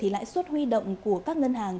lãi suất huy động của các ngân hàng